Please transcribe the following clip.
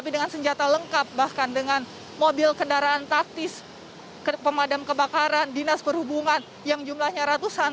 dengan senjata lengkap bahkan dengan mobil kendaraan taktis pemadam kebakaran dinas perhubungan yang jumlahnya ratusan